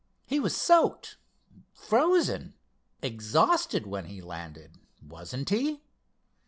He was soaked, frozen, exhausted when he landed, wasn't he?